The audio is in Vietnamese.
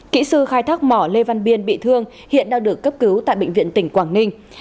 kỹ sư khai thác mỏ lê văn biên bị thương hiện đang được cấp cứu tại bệnh viện tỉnh quảng ninh